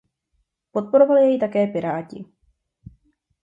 Podporovali jej také Piráti.